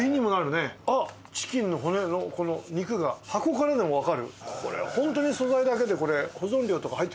あっチキンの骨の肉が箱からでもわかる。